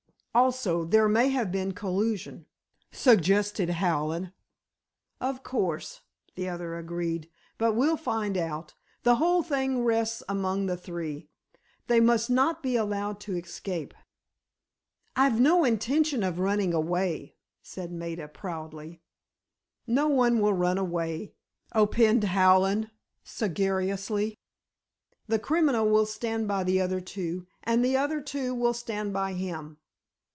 "Also, there may have been collusion," suggested Hallen. "Of course," the other agreed. "But we'll find out. The whole thing rests among the three. They must not be allowed to escape——" "I've no intention of running away!" said Maida, proudly. "No one will run away," opined Hallen, sagaciously. "The criminal will stand by the other two, and the other two will stand by him."